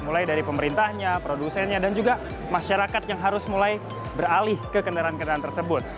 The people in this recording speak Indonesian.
mulai dari pemerintahnya produsennya dan juga masyarakat yang harus mulai beralih ke kendaraan kendaraan tersebut